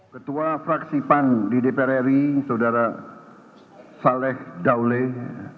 ketua fraksi pan di dpr ri saudara saleh dauleh